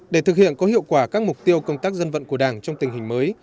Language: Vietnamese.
để thực hiện có hiệu quả các mục tiêu công tác dân vận của đảng trong tình hình mới